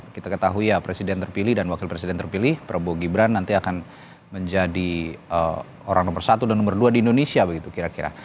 kita ketahui ya presiden terpilih dan wakil presiden terpilih prabowo gibran nanti akan menjadi orang nomor satu dan nomor dua di indonesia begitu kira kira